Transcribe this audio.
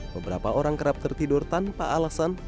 beberapa orang kerap tertidur tanpa alasan